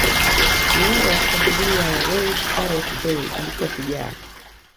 kiungo wa kushambulia wa Wales gareth bale alikuwa shujaa